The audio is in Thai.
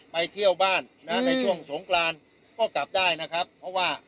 ไปเที่ยวบ้านนะในช่วงสงกรานก็กลับได้นะครับเพราะว่า